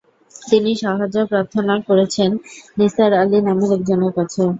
তিনি সাহায্য প্রার্থনা করছেন নিসার আলি নামের একজনের কাছে।